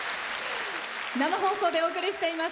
生放送でお送りしています